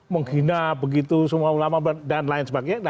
menghina begitu semua ulama dan lain sebagainya